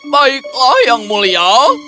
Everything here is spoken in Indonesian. baiklah yang mulia